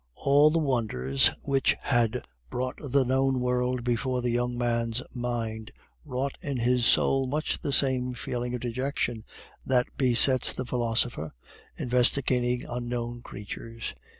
All the wonders which had brought the known world before the young man's mind wrought in his soul much the same feeling of dejection that besets the philosopher investigating unknown creatures.